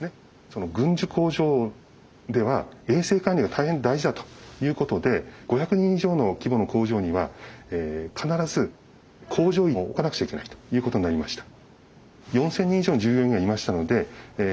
その軍需工場では衛生管理が大変大事だということで５００人以上の規模の工場には必ず工場医をおかなくちゃいけないということになりました。